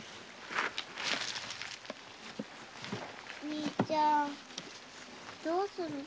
兄ちゃんどうするの？